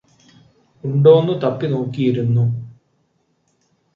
ഉണ്ടോന്ന് തപ്പിനോക്കിയിരുന്നു